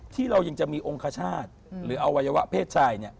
ที่เรายังจะมีองคชาติหรืออวัยวะเพศชาย